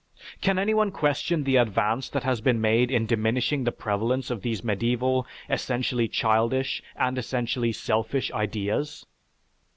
Can anyone question the advance that has been made in diminishing the prevalence of these medieval, essentially childish, and essentially selfish ideas?